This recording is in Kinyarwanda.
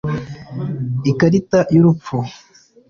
ikarita y'urupfu